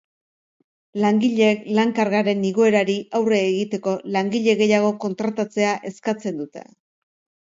Langileek lan kargaren igoerari aurre egiteko langile gehiago kontratatzea eskatzen dute.